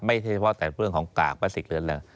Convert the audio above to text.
ไม่เฉพาะแต่เรื่องของกากปลาสิกหรืออะไร